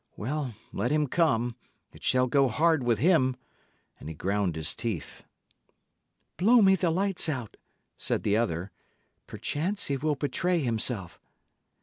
Well, let him come; it shall go hard with him;" and he ground his teeth. "Blow me the lights out," said the other. "Perchance he will betray himself."